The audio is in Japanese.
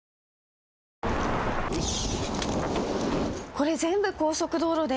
これ全部高速道路で。